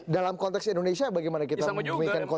dalam konteks indonesia bagaimana kita memiliki konteks